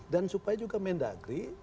dan supaya juga mendagri